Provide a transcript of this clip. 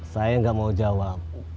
saya nggak mau jawab